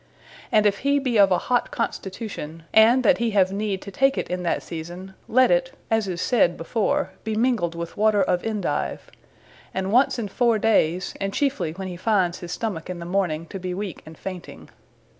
And if he be of a hot Constitution, and that he have neede to take it in that season, let it, as is said before, be mingled with water of Endive; and once in foure dayes, and chiefely when he findes his stomacke in the morning to be weake and fainting.